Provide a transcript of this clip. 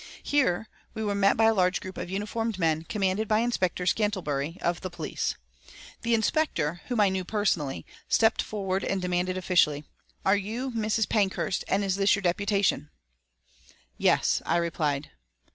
Here we were met by a large group of uniformed men commanded by Inspector Scantlebury, of the police. The inspector, whom I knew personally, stepped forward and demanded officially, "Are you Mrs. Pankhurst, and is this your deputation?" "Yes," I replied.